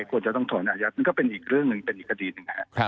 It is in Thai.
ควรจะต้องถอนอายัดมันก็เป็นอีกเรื่องหนึ่งเป็นอีกคดีหนึ่งนะครับ